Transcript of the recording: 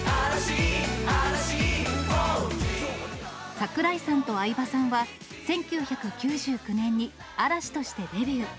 櫻井さんと相葉さんは、１９９９年に嵐としてデビュー。